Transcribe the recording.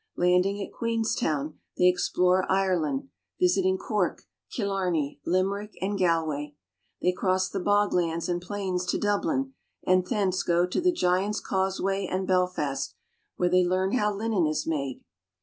Landing at Queenstown, they explore Ireland, visiting Cork, Killarney, Limerick, and Galway. They cross the bog lands and plains to Dublin, and thence go to the Giant's Causeway and Belfast, where they learn how linen is made.